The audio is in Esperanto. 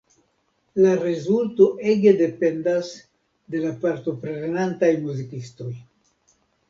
La rezulto ege dependas de la partoprenantaj muzikistoj.